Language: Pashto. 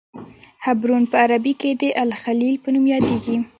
حبرون په عربي کې د الخلیل په نوم یادیږي.